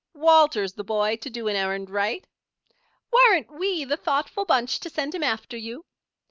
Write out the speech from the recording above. "Walter's the boy to do an errand right!" "Weren't we the thoughtful bunch to send him after you?"